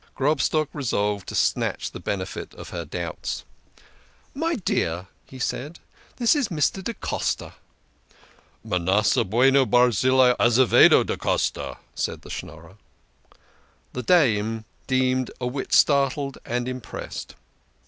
Grobstock resolved to snatch the benefit of her doubts. "My dear," said he, " this is Mr. da Costa." " Manasseh Bueno Barzillai Azevedo da Costa," said the Schnorrer. The dame seemed a whit startled and impressed.